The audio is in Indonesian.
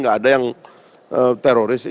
enggak ada yang teroris